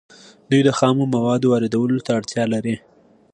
دوی د خامو موادو واردولو ته اړتیا لري